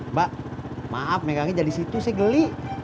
mbak maaf megangnya jadi situ sih geli